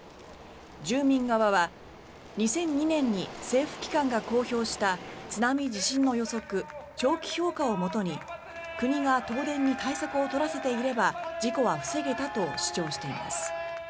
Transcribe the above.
住民側は、２００２年に政府機関が公表した津波・地震の予測長期評価をもとに国が東電に対策を取らせていれば事故は防げたと主張しています。